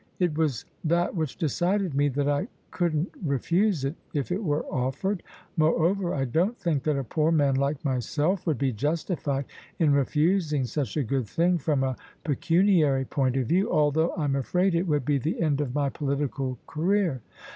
It was that which decided me that I couldn't refuse it if it were offered. Moreover I don't think that a poor man like myself would be justified in refusing such a good thing from a pecuniary point of view, although I'm afraid it would be the end of my political career."